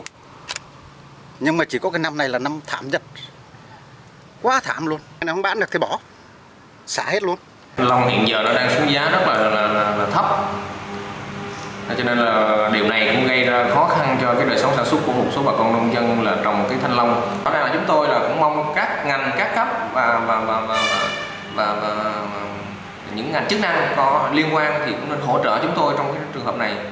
và những ngành chức năng có liên quan thì cũng nên hỗ trợ chúng tôi trong trường hợp này